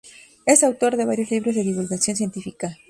Es autor de varios libros de divulgación científica.